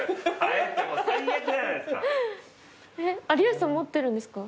えっ有吉さん持ってるんですか？